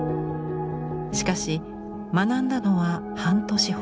しかし学んだのは半年ほど。